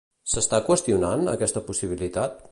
S'està qüestionant, aquesta possibilitat?